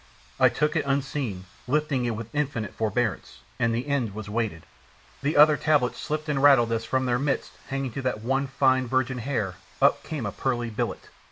I took it unseen, lifting it with infinite forbearance, and the end was weighted, the other tablets slipped and rattled as from their midst, hanging to that one fine virgin hair, up came a pearly billet.